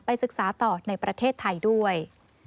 ศึกษาต่อในประเทศไทยด้วย